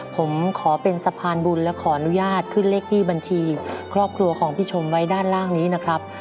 ผมขอเป็นสะพานบุญและขออนุญาตขึ้นเลขที่บัญชีครอบครัวของพี่ชมไว้ด้านล่างนี้นะครับ